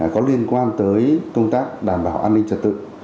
có liên quan tới công tác đảm bảo an ninh trật tự